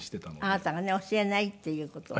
あなたがね教えないっていう事をね。